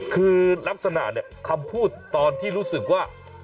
คือลักษณะเนี่ยคำพูดตอนที่รู้สึกว่า